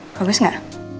gak bagus gak